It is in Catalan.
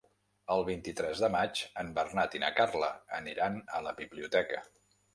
El vint-i-tres de maig en Bernat i na Carla aniran a la biblioteca.